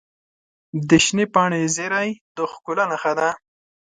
د شنې پاڼې زیرۍ د ښکلا نښه ده.